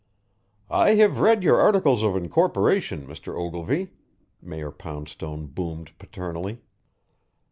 "I have read your articles of incorporation, Mr. Ogilvy," Mayor Poundstone boomed paternally.